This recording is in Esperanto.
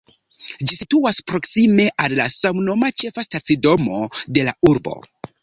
Ĝi situas proksime al la samnoma, ĉefa stacidomo de la urbo.